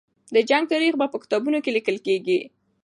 د جنګ تاریخ به په کتابونو کې لیکل کېږي.